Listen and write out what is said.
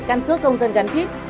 căn cứ công dân gắn chip